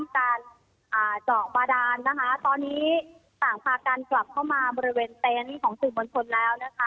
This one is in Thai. การเจาะบาดานนะคะตอนนี้ต่างพากันกลับเข้ามาบริเวณเต็นต์ของสื่อมวลชนแล้วนะคะ